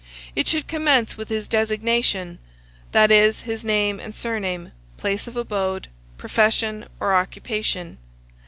It should commence with his designation; that is, his name and surname, place of abode, profession, or occupation.